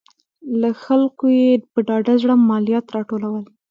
له خلکو یې په ډاډه زړه مالیات راټولول